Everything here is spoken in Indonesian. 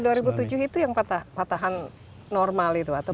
tahun dua ribu tujuh itu yang patahan normal itu atau